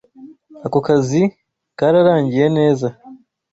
Ako kazi kararangiye neza.